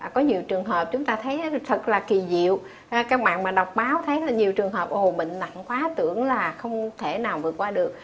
có nhiều trường hợp chúng ta thấy thật là kỳ diệu các bạn mà đọc báo thấy là nhiều trường hợp ồ bệnh nặng khóa tưởng là không thể nào vượt qua được